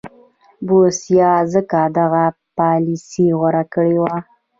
بوسیا ځکه دغه پالیسي غوره کړې وه.